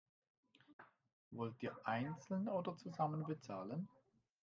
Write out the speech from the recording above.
Wollt ihr einzeln oder zusammen bezahlen?